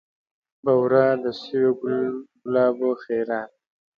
بورا د سویو ګلابونو خیرات